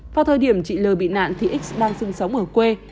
vào thời điểm chị l bị nạn thì x đang sinh sống ở quê